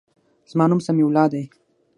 زما نوم سمیع الله دی.